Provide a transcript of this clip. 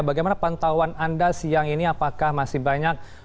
bagaimana pantauan anda siang ini apakah masih banyak